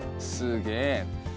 「すげえ」